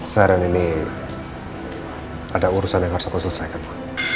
seharian ini ada urusan yang harus aku selesaikan ma